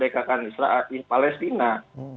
karena kalau kita menerima piala dunia kita harus berjuang